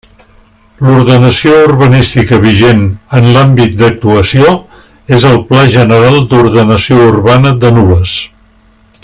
L'ordenació urbanística vigent en l'àmbit d'actuació és el Pla General d'Ordenació Urbana de Nules.